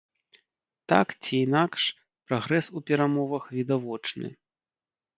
Так ці інакш, прагрэс у перамовах відавочны.